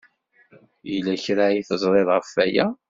Yella kra ay teẓrid ɣef waya?